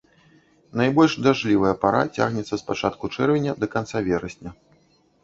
Найбольш дажджлівая пара цягнецца з пачатку чэрвеня да канца верасня.